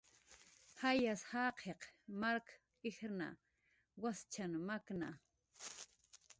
Jayas jaqiq mark ijrna waschan makna